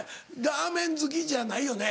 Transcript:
ラーメン好きじゃないよね？